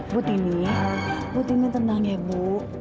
butini butini tenang ya bu